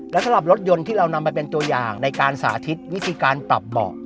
และสำหรับรถยนต์ที่เรานำไปเป็นตัวอย่างในการสาธิตวิธีการปรับเบาะ